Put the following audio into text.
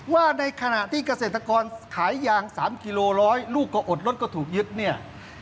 ว่าในขณะที่เกษตรกรขายยาง๓กิโลร้อยลูกก็อดรถก็ถูกยึดเนี่ย